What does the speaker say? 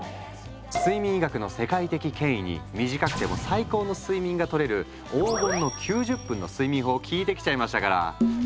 睡眠医学の世界的権威に短くても最高の睡眠がとれる「黄金の９０分」の睡眠法を聞いてきちゃいましたから。